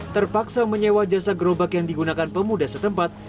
terpaksa menyewa jasa gerobak yang digunakan pemuda setempat